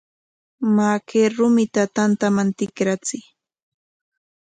Maa, kay rumita tantaman tikrachiy.